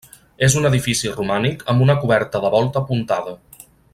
És un edifici romànic amb coberta de volta apuntada.